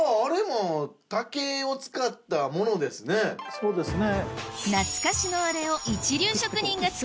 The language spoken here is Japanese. そうですね。